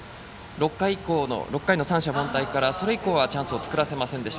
６回の三者凡退からそれ以降はチャンスを作らせませんでした。